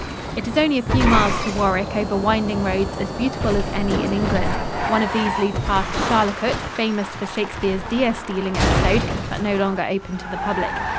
It is only a few miles to Warwick over winding roads as beautiful as any in England. One of these leads past Charlecote, famous for Shakespeare's deer stealing episode, but no longer open to the public.